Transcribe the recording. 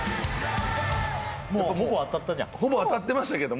ほぼ当たったじゃん。